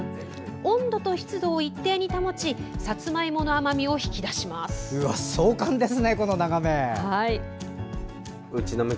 温度と湿度を一定に保ちさつまいもの甘みを引き出します。